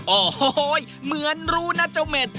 โอ้โหเหมือนรู้นะเจ้าเม็ด